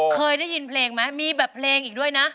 เคยได้ยินเพลงไหมมีแบบเพลงอีกด้วยนะ